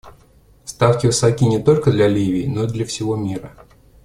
Ставки высоки не только для Ливии, но и для всего мира.